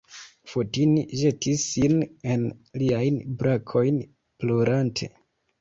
Fotini ĵetis sin en liajn brakojn plorante.